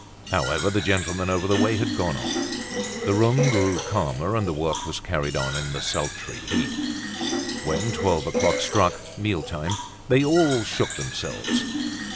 However, the gentleman over the way had gone off. The room grew calmer and the work was carried on in the sultry heat. When twelve o'clock struck—meal time—they all shook themselves.